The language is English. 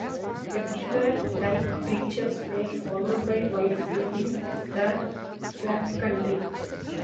Everywhere dyke breaches were followed by wide flooding of the flat country.